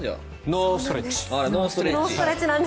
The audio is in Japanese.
ノーストレッチ。